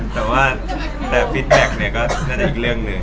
แต่คำสาบรองกราชิน้ายก็น่าจะอีกเรื่องนึง